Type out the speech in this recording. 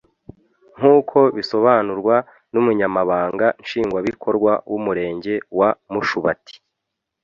nk’uko bisobanurwa n’umunyamabanga nshingwabikorwa w’umurenge wa Mushubati